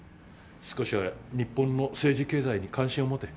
少しは日本の政治経済に関心を持て。